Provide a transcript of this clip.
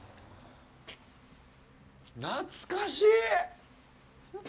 懐かしい！